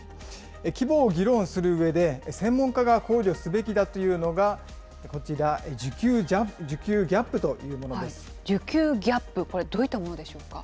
規模を議論するうえで、専門家が考慮すべきだというのがこちら、需給ギャップ、これ、どういったものでしょうか。